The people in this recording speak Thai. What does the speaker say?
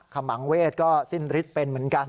ขมังเวศก็สิ้นฤทธิ์เป็นเหมือนกัน